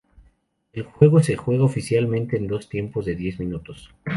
El juego se juega oficialmente en dos tiempos de diez minutos.